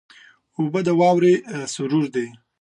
اوبه د واورې سرور دي.